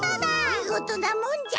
みごとなもんじゃ。